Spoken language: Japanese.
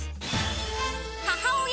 ［母親